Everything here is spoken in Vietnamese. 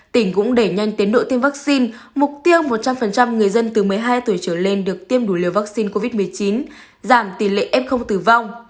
trong một trăm linh người dân từ một mươi hai tuổi trở lên được tiêm đủ liều vaccine covid một mươi chín giảm tỉ lệ f tử vong